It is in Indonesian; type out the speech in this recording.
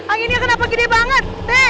anginnya kenapa gede banget